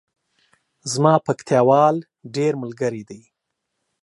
زما پکتیاوال ډیر ملګری دی